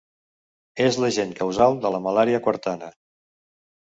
És l'agent causal de la malària quartana.